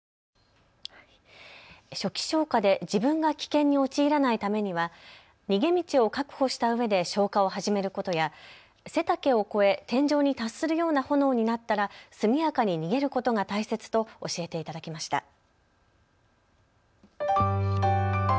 初期消火で自分が危険に陥らないためには逃げ道を確保したうえで消火を始めることや背丈を超え天井に達するような炎になったら速やかに逃げることが大切と教えていただきました。